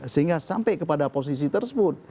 sehingga sampai kepada posisi tersebut